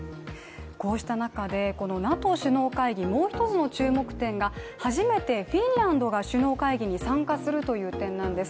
こうした中でＮＡＴＯ首脳会議、もう一つの注目点が初めてフィンランドが首脳会議に参加するという点なんです。